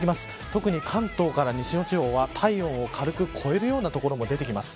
特に関東から西の地方は体温を軽く超えるような所も出てきます。